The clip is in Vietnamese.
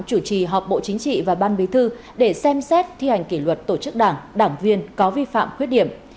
chủ trì họp bộ chính trị và ban bí thư để xem xét thi hành kỷ luật tổ chức đảng đảng viên có vi phạm khuyết điểm